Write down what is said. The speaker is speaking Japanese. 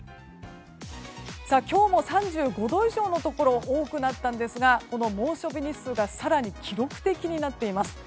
今日も３５度以上のところが多くなったんですが猛暑日日数が更に記録的になっています。